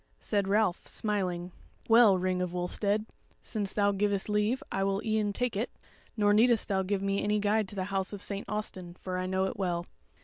Said Ralph, smiling: "Well, Ring of Wulstead, since thou givest leave I will e'en take it, nor needest thou give me any guide to the House of St. Austin, for I know it well.